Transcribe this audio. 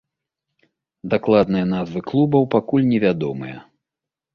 Дакладныя назвы клубаў пакуль невядомыя.